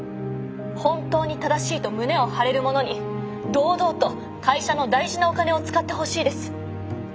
本当に正しいと胸を張れるものに堂々と会社の大事なお金を使ってほしいです。